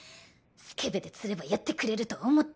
スケベで釣ればやってくれると思ったのに。